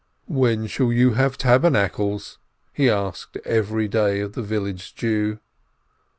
"When shall you have Tabernacles?" he asked every day of the village Jew.